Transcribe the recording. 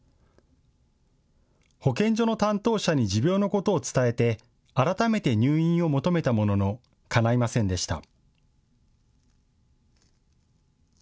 保健所の担当者に持病のことを伝えて改めて入院を求めたもののかないませんでした。